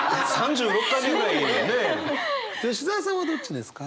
吉澤さんはどっちですか？